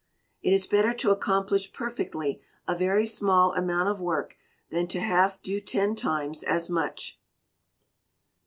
It is better to accomplish perfectly a very small amount of work, than to half do ten times as much.